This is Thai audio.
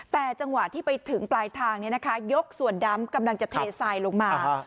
แต่จังหวะที่ไปถึงปลายทางยกส่วนดำกำลังจะเททรายลงมา